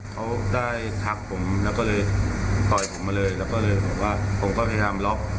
เขาได้ทักผมแล้วก็เลยต่อยผมมาเลยแล้วก็เลยบอกว่าผมก็พยายามล็อก